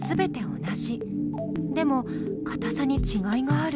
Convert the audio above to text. でもかたさにちがいがある。